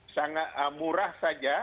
sangat murah saja